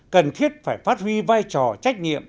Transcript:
cần thiết phải phát huy vai trò trách nhiệm